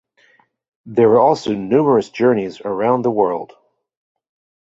There were also numerous journeys around the world.